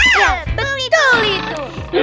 iya betul itu